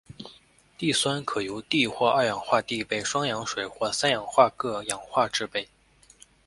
碲酸可由碲或二氧化碲被双氧水或三氧化铬氧化制备。